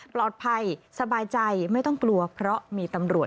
ปลอดภัยสบายใจไม่ต้องกลัวเพราะมีตำรวจ